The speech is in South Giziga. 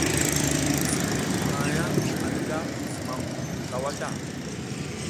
Sukuy taƞʼha anta zumam cawa ta.